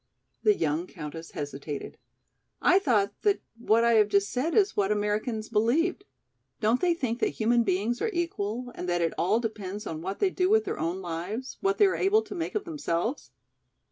The young countess hesitated. "I thought that what I have just said is what Americans believed. Don't they think that human beings are equal and that it all depends on what they do with their own lives, what they are able to make of themselves?"